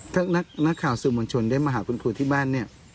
ถ้านักข่าวสื่อมวลชนได้มาหาคุณครูที่บ้านเนี่ย